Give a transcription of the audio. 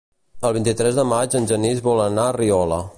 El vint-i-tres de maig en Genís vol anar a Riola.